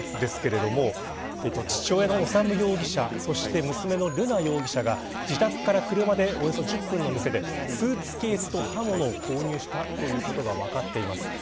父親の修容疑者娘の瑠奈容疑者が自宅から車で１０分の店でスーツケースと刃物を購入したということが分かっています。